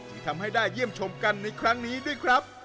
ที่ทำให้ได้เยี่ยมชมกันในครั้งนี้ด้วยครับ